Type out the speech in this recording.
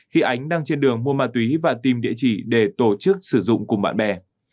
khi ánh đang trên đường mua ma túy và tìm địa chỉ để tổ chức sử dụng cùng bạn bè